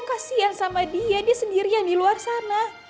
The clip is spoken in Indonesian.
kian sama dia dia sendirian di luar sana